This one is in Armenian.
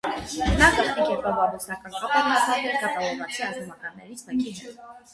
Նա գաղտնի կերպով ամուսնական կապ էր հաստատել կատալոնացի ազնվականներից մեկի հետ։